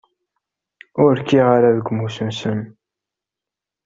Ur kkiɣ ara deg umussu-nsen!